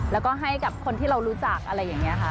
แล้วก็ให้กับคนที่เรารู้จักอะไรอย่างนี้ค่ะ